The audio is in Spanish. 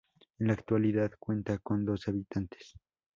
En la actualidad cuenta con dos habitantes.